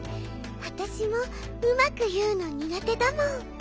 わたしもうまくいうのにがてだもん。